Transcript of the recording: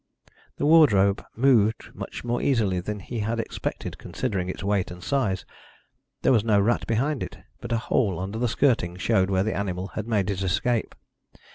The wardrobe moved much more easily than he had expected, considering its weight and size. There was no rat behind it, but a hole under the skirting showed where the animal had made its escape.